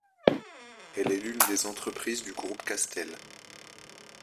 Elle est l'une des entreprises du Groupe Castel.